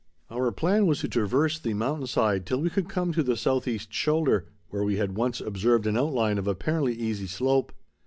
Our plan was to traverse the mountain side till we should come to the southeast shoulder, where we had once observed an outline of apparently easy slope.